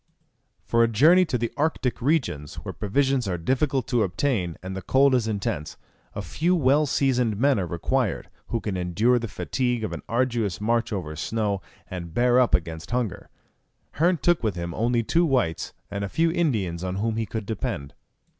For a journey to the Arctic regions, where provisions are difficult to obtain, and the cold is intense, a few well seasoned men are required, who can endure the fatigue of an arduous march over snow, and bear up against hunger. Hearn took with him only two whites, and a few Indians on whom he could depend.